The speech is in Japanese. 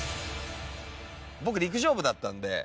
僕陸上部だったんで。